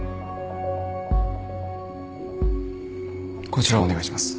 こちらお願いします。